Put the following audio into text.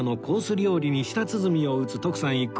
料理に舌鼓を打つ徳さん一行